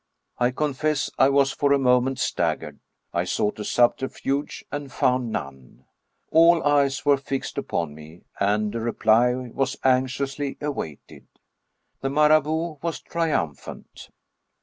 I confess I was for a moment staggered; I sought a subterfuge and found none. All eyes were fixed upon me, and a reply was anxiously awaited. The Marabout was triumphant.